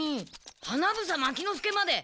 花房牧之介まで。